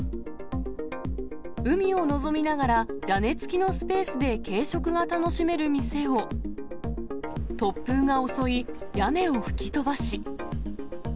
海を臨みながら、屋根付きのスペースで軽食が楽しめる店を突風が襲い、屋根を吹き飛ばし。